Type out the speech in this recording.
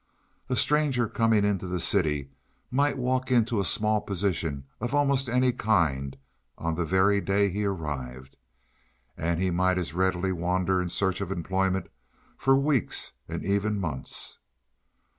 A stranger coming to the city might walk into a small position of almost any kind on the very day he arrived; and he might as readily wander in search of employment for weeks and even months.